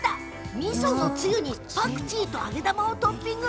みそつゆにパクチーと揚げ玉をトッピング。